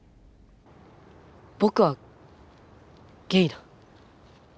僕はゲイだ。